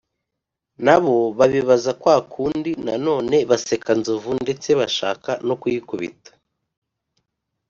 na bo babibaza kwa kundi, na none baseka nzovu, ndetse bashaka no kuyikubita.